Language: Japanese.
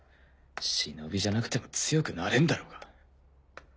忍じゃなくても強くなれんだろうが。